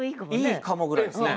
いいかもぐらいですね。